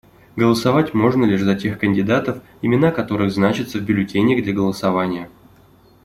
Голосовать можно лишь за тех кандидатов, имена которых значатся в бюллетенях для голосования.